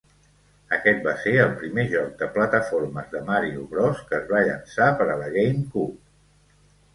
Aquest va ser el primer joc de plataformes de Mario Bros que es va llançar per a la GameCube.